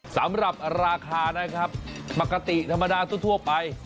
สำหรับราคานะครับปกติธรรมดาทั่วไป